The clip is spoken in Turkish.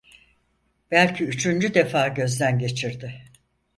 Belki üçüncü defa gözden geçirdi.